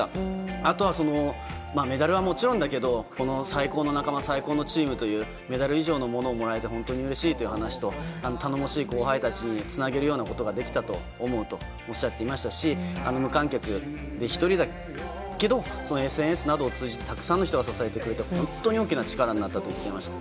あとはメダルはもちろんだけど最高の仲間、最高のチームというメダル以上のものをもらえて本当にうれしいという話と頼もしい後輩たちにつなげるようなことができたと思うとおっしゃっていましたし無観客だけどＳＮＳなどを通じてたくさんの人が支えてくれて本当に大きな力になったと聞きました。